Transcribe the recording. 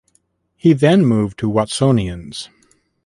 He then moved to Watsonians.